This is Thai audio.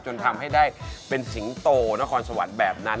จนทำให้ได้เป็นสิงโตนครสวรรค์แบบนั้น